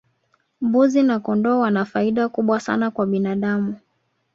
mbuzi na kondoo wana faida kubwa sana kwa binadamu